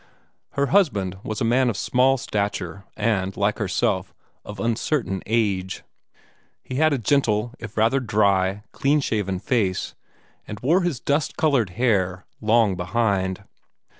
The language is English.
Her husband was a man of small stature and, like herself, of uncertain age. He had a gentle, if rather dry, clean shaven face, and wore his dust colored hair long behind.